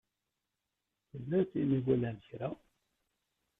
Tella tin i iwalan kra?